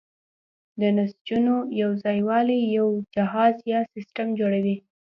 د نسجونو یوځای والی یو جهاز یا سیستم جوړوي.